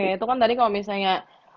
itu kan tadi kalau misalnya